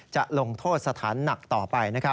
จะลงโทษสถานหนักต่อไป